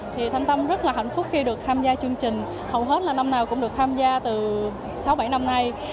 thì thanh tâm rất là hạnh phúc khi được tham gia chương trình hầu hết là năm nào cũng được tham gia từ sáu bảy năm nay